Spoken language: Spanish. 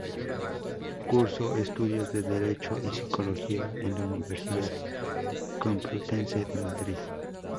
Cursó estudios de Derecho y Psicología en la Universidad Complutense de Madrid.